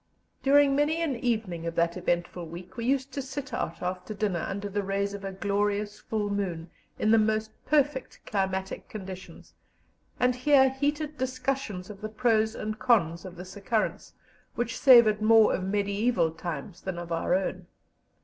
During many an evening of that eventful week we used to sit out after dinner under the rays of a glorious full moon, in the most perfect climatic conditions, and hear heated discussions of the pros and cons of this occurrence, which savoured more of medieval times than of our own.